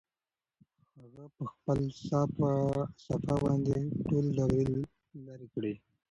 هغه په خپله صافه باندې ټول دوړې لرې کړې.